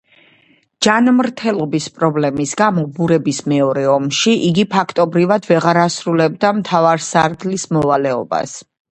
ჯანმრთელობის პრობლემის გამო ბურების მეორე ომში იგი ფაქტობრივად ვეღარ ასრულებდა მთავარსარდლის მოვალეობას.